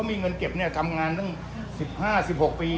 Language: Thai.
มีเงินเก็บทำงานตั้ง๑๕๑๖ปี